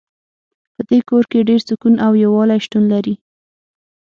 په دې کور کې ډېر سکون او یووالۍ شتون لری